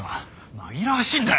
紛らわしいんだよ！